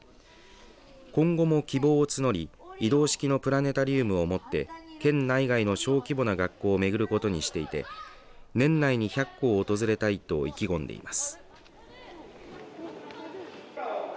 今後も希望を募り移動式のプラネタリウムを持って県内外の小規模な学校を巡ることにしていて年内に１００校を訪れたいと意気込んでいます。